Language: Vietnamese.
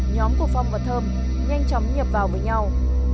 nhóm của phong và thơm nhanh chóng nhập vào với nhau